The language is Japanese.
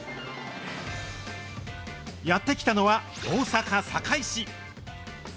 やって来たのは大阪・堺市。